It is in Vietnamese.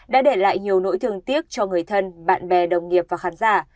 đã để lại nhiều nỗi thương tiếc cho người thân bạn bè đồng nghiệp và khán giả